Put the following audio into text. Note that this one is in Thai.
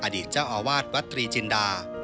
อดีตเจ้าอาวาสวัดตรีจินดา